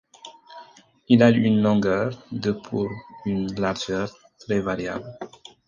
Il a une longueur de pour une largeur très variable.